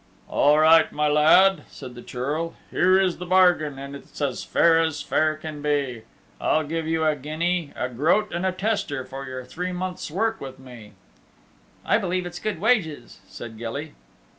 "All right, my lad," said the Churl. "Here is the bargain, and it's as fair as fair can be. I'll give you a guinea, a groat and a tester for your three months' work with me." "I believe it's good wages," said Gilly.